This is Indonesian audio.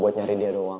buat nyari dia doang